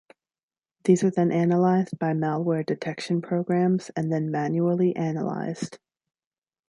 These are then analyzed by malware detection programs and then manually analyzed.